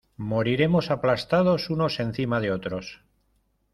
moriremos aplastados unos encima de otros.